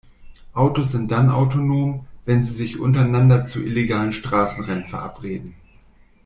Autos sind dann autonom, wenn sie sich untereinander zu illegalen Straßenrennen verabreden.